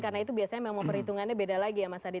karena itu biasanya memang perhitungannya beda lagi ya mas hadi